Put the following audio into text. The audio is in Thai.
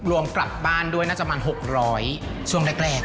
รวมกลับบ้านด้วยน่าจะประมาณ๖๐๐ช่วงแรก